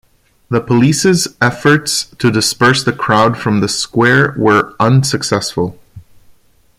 The police's efforts to disperse the crowd from the Square were unsuccessful.